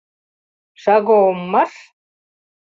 — Шаго-ом марш!